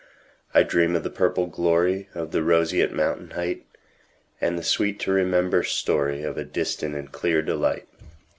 I dream of the purple gloryOf the roseate mountain heightAnd the sweet to remember storyOf a distant and clear delight.